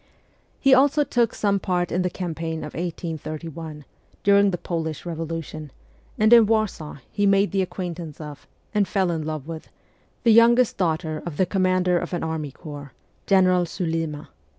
He also took some part in the campaign of 1831, during the Polish Revolution, and in Warsaw he made the acquaintance of, and fell in love with, the youngest daughter of the commander of an army corps, General Sulfma.